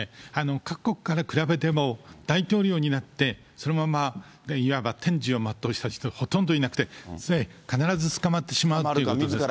各国から比べても、大統領になって、そのままいわば天寿を全うした人はほとんどいなくて、必ず捕まってしまうということですから。